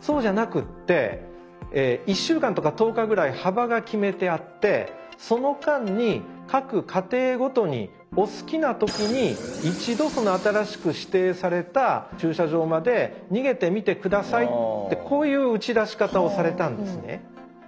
そうじゃなくって１週間とか１０日ぐらい幅が決めてあってその間に各家庭ごとにお好きな時に一度その新しく指定された駐車場まで逃げてみて下さいってこういう打ち出し方をされたんですね。